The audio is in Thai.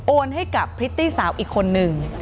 โอนให้กับพฤติสาวอีกคนนึง